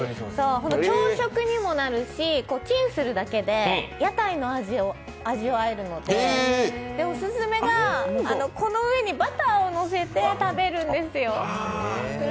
朝食にもなるし、チンするだけで屋台の味を味わえるのでオススメがこの上にバターをのせて食べるんですよ。